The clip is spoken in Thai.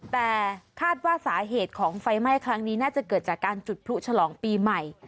แต่คาดว่าสาเหตุของไฟไหม้ครั้งนี้น่าจะเกิดจากการจุดพลุฉลองปีใหม่